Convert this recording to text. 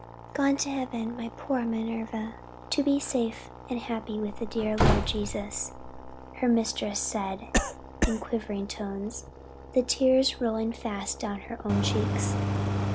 "Gone to heaven, my poor Minerva, to be forever safe and happy with the dear Lord Jesus," her mistress said in quivering tones, the tears rolling fast down her own cheeks.